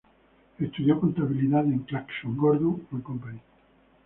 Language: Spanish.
Estudió contabilidad en Clarkson, Gordon and Company.